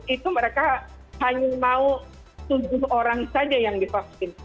itu mereka hanya mau tujuh orang saja yang divaksin